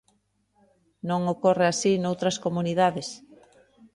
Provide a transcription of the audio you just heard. Non ocorre así noutras comunidades.